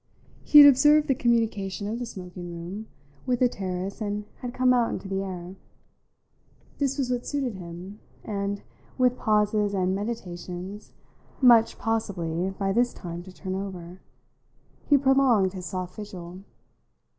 He had observed the communication of the smoking room with the terrace and had come out into the air; this was what suited him, and, with pauses and meditations, much, possibly, by this time to turn over, he prolonged his soft vigil.